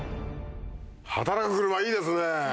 働く車いいですね。